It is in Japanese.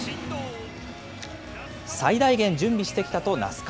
最大限、準備してきたと那須川。